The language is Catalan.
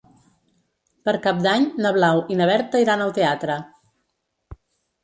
Per Cap d'Any na Blau i na Berta iran al teatre.